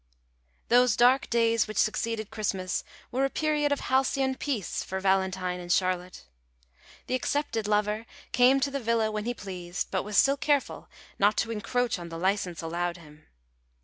Those dark days which succeeded Christmas were a period of halcyon peace for Valentine and Charlotte. The accepted lover came to the villa when he pleased, but was still careful not to encroach on the license allowed him.